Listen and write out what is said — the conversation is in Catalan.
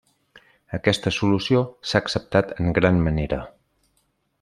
Aquesta solució s'ha acceptat en gran manera.